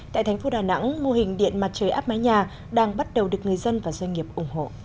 tại thành phố đà nẵng mô hình điện mặt trời áp mái nhà đang bắt đầu được người dân và doanh nghiệp ủng hộ